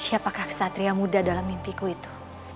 siapakah kesatria muda dalam mimpiku itu